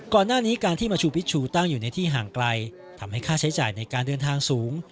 ก่อนหน้านี้การที่มาชูพิชชูตั้งอยู่ในที่ห่างไกลทำให้ค่าใช้จ่ายในการเดินทางสูง